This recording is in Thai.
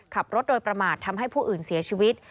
ขับรถโดยประมาททำให้ผู้อื่นเสียชีวิต